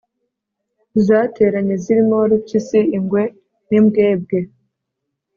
zateranye, zirimo warupyisi, ingwe, n'imbwembwe